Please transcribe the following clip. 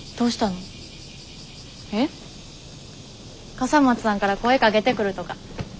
笠松さんから声かけてくるとか。